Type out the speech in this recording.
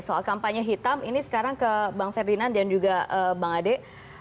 soal kampanye hitam ini sekarang ke bang ferdinand dan juga bang ade